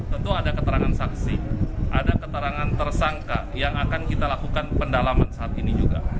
tentu ada keterangan saksi ada keterangan tersangka yang akan kita lakukan pendalaman saat ini juga